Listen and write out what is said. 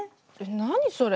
何それ？